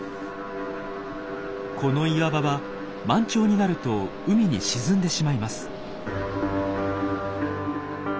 この岩場は満潮になると海に沈んでしまいます。